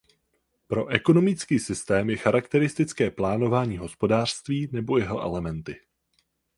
Pro ekonomický systém je charakteristické plánované hospodářství nebo jeho elementy.